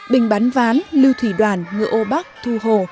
bình bắn ván lưu thủy đoàn ngựa ô bắc thu hồ